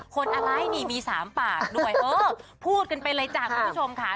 คนอะไรนี่มี๓ปากด้วยเออพูดกันไปเลยจ้ะคุณผู้ชมค่ะ